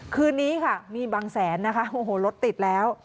คืนนี้ค่ะมีบางแสนรถติดแล้ว